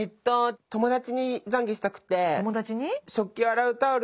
友達に？